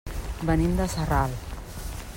Venim de Sarral.